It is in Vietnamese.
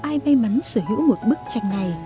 ai may mắn sở hữu một bức tranh này